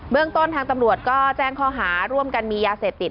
เมืองต้นทางตำรวจก็แจ้งข้อหาร่วมกันมียาเสพติด